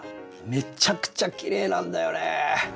めちゃくちゃきれいなんだよね！